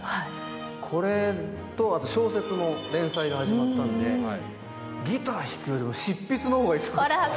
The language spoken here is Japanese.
これと小説も連載が始まったんで、ギター弾くよりも執筆のほうが忙しくて。